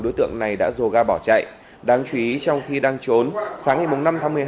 đối tượng này đã dồ ga bỏ chạy đáng chú ý trong khi đang trốn sáng ngày năm tháng một mươi hai